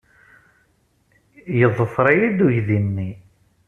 Yeḍfer-iyi-d uydi-nni.